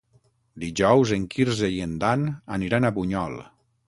Dijous en Quirze i en Dan aniran a Bunyol.